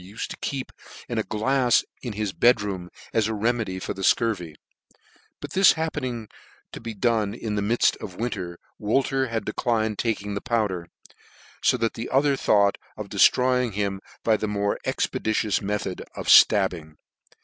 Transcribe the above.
u fed to keep in a glafs in his bed room, as a remedy for the fcurvy : but this happening to be done in the midft of winter, Wolter had declined taking the powder; fo that the other thought of deftroying him by the more expeditions method of {tabbing.